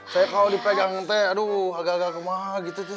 saya kalau dipegang teh aduh agak agak kemahal gitu